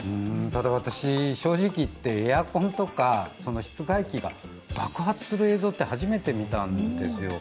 ただ私、正直言ってエアコンとか室外機が爆発する映像って初めて見たんですよ。